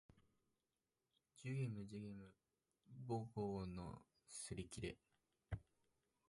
寿限無寿限無五劫のすりきれ